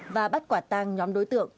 và bắt quả tang nhóm đối tượng